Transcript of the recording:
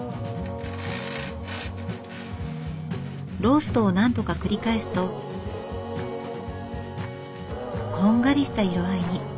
ローストを何度か繰り返すとこんがりした色合いに。